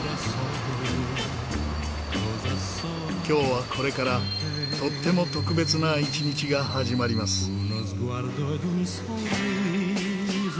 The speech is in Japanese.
今日はこれからとっても特別な一日が始まります。